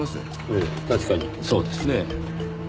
ええ確かにそうですね。